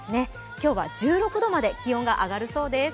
今日は１６度まで気温が上がるそうです。